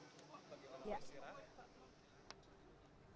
ya demikian pak pak